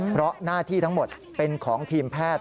เพราะหน้าที่ทั้งหมดเป็นของทีมแพทย์